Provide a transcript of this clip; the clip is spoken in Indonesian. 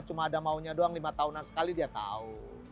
cuma ada maunya doang lima tahunan sekali dia tahu